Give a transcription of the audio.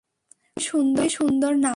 খুবই সুন্দর নাম।